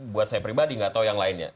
buat saya pribadi nggak tahu yang lainnya